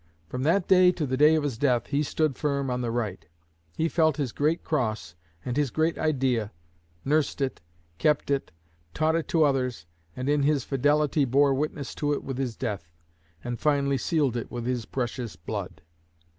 From that day to the day of his death, he stood firm on the right. He felt his great cross, had his great idea, nursed it, kept it, taught it to others, and in his fidelity bore witness of it to his death, and finally sealed it with his precious blood."